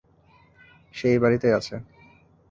সে এই বাড়িতেই আছে।